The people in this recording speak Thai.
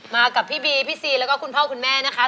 กับพี่บีพี่ซีแล้วก็คุณพ่อคุณแม่นะคะ